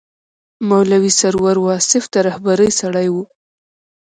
مولوي سرور واصف د رهبرۍ سړی و.